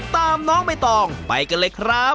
ตามน้องใบตองไปกันเลยครับ